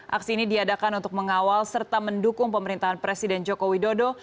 aksi ini diadakan untuk mengawal serta mendukung pemerintahan presiden joko widodo